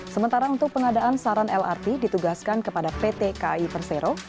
sementara untuk pengadaan saran lrt ditugaskan kepada pt kai persero